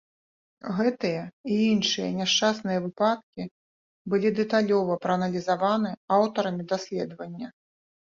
Гэтыя і іншыя няшчасныя выпадкі былі дэталёва прааналізаваны аўтарамі даследавання.